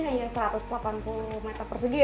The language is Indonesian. hanya satu ratus delapan puluh meter persegi